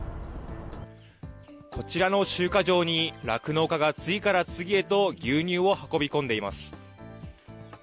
こちらの集荷場に、酪農家が次から次へと牛乳を運び込んでいます。